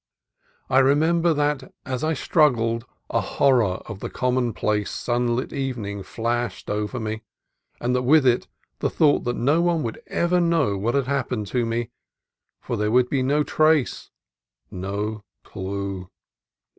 I remember that, as I struggled, a horror of the commonplace sunlit evening flashed over me, and, with it, the thought that no one would ever know what had happened to me, for there would be no trace, no clue.